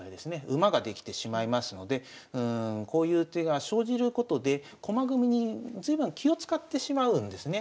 馬ができてしまいますのでこういう手が生じることで駒組みに随分気を遣ってしまうんですね。